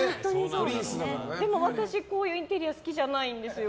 でも、私こういうインテリア好きじゃないんですよ。